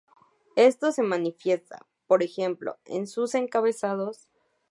Esto se manifiesta, por ejemplo, en sus encabezados.